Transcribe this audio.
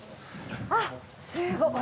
あっ！